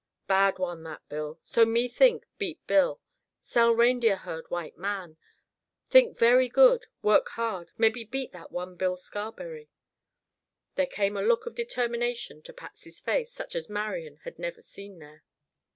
Bad one, that Bill. So me think; beat Bill. Sell reindeer herd white man. Think very good. Work hard. Mebby beat that one Bill Scarberry." There came a look of determination to Patsy's face such as Marian had never seen there.